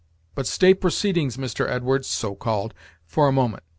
But stay proceedings, Mr. Edwards (so called), for a moment.